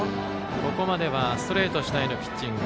ここまではストレート主体のピッチング。